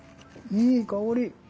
いい香り。